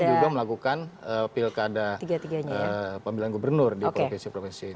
dan kebetulan juga melakukan pilkada pemilihan gubernur di provinsi provinsi ini